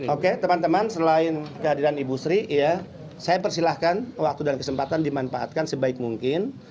oke teman teman selain kehadiran ibu sri ya saya persilahkan waktu dan kesempatan dimanfaatkan sebaik mungkin